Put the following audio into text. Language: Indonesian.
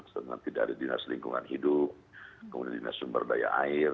dengan tidak ada dinas lingkungan hidup kemudian dinas sumber daya air